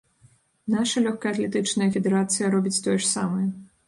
Наша лёгкаатлетычная федэрацыя робіць тое ж самае.